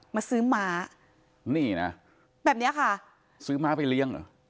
มาซื้อม้านี่นะแบบเนี้ยค่ะซื้อม้าไปเลี้ยงเหรอ